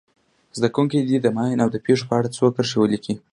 زده کوونکي دې د ماین د پېښو په اړه څو کرښې ولیکي.